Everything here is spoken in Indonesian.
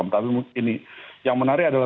tapi ini yang menarik adalah